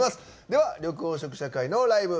では緑黄色社会のライブ。